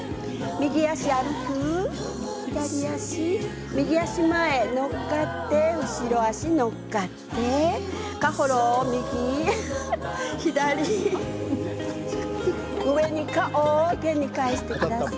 右足、右足前乗っかって後ろ足乗っかってカホロ、右左、上にカオを展開してください。